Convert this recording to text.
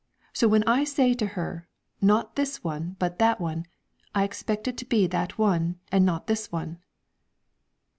So, when I say to her: 'not this one but that one!' I expect it to be that one, and not this one!"